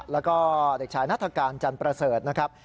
แล้วก็เด็กชายนัฐกาลจันประเสริฐนะครับ